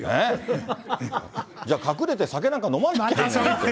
じゃあ、隠れて酒なんか飲まないで。